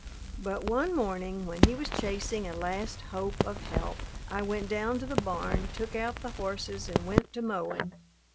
But one morning, when he was chasing a last hope of help, I went down to the barn, took out the horses, and went to mowing.